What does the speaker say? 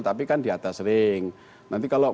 tapi kan di atas ring nanti kalau